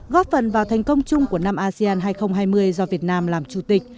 góp phần vào thành công chung của năm asean hai nghìn hai mươi do việt nam làm chủ tịch